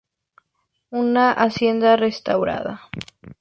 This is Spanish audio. Una hacienda restaurada.